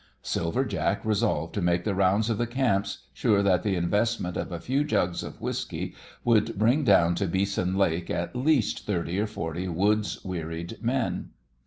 Silver Jack resolved to make the rounds of the camps sure that the investment of a few jugs of whiskey would bring down to Beeson Lake at least thirty or forty woods wearied men.